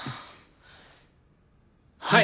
はい！